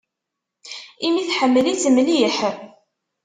Imi tḥemmel-itt mliḥ.